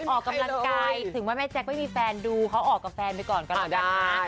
ออกกำลังกายถึงมันแม่แจ๊คไม่มีแฟนดูเขาออกกำลังกายก่อนนะ